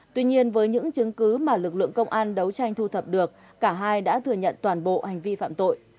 tuy nhiên với những chứng cứ mà lực lượng công an đấu tranh thu thập được cả hai đã thừa nhận toàn bộ hành vi phạm tội